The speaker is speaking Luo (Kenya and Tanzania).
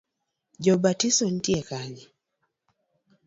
Jobatiso nitie kanye.